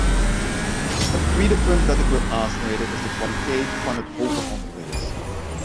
Het tweede punt dat ik wil aansnijden is de kwaliteit van het hoger onderwijs.